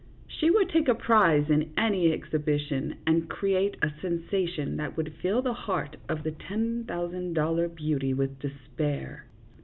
" She would take a prize in any exhibition, and cre ate a sensation that would fill the heart of the ten thousand dollar beauty with despair.